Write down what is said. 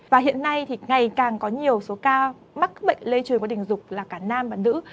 và hiện nay thì ngày càng có nhiều số ca mắc mức bệnh lây truyền qua đình dục là cả nam và nữ